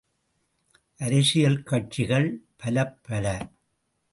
அரசியல் கட்சிகள் பலப்பல!